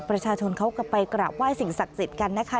ประชาชนเขาก็ไปกราบไห้สิ่งศักดิ์สิทธิ์กันนะคะ